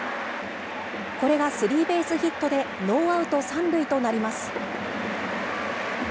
これがスリーベースヒットでノーアウト３塁となります。